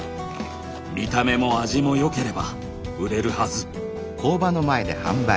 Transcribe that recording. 見た目も味も良ければ売れるはず。